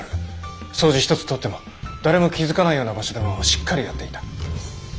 掃除一つとっても誰も気付かないような場所でもしっかりやっていた。